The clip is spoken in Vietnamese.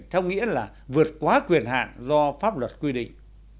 theo nghĩa là vượt quá quyền hạn do pháp luật quy định